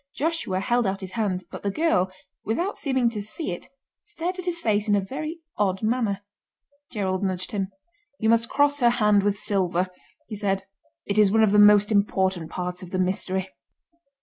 Joshua held out his hand, but the girl, without seeming to see it, stared at his face in a very odd manner. Gerald nudged him: "You must cross her hand with silver," he said. "It is one of the most important parts of the mystery."